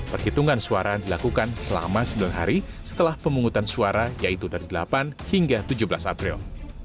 perhitungan suara dilakukan selama sembilan hari setelah pemungutan suara yaitu dari delapan hingga tujuh belas april